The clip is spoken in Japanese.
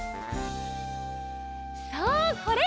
そうこれ。